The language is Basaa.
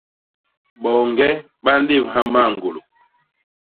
Boñge ba nlébha mañgôlô.